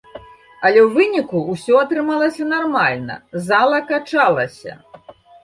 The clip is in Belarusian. Але ў выніку ўсё атрымалася нармальна, зала качалася.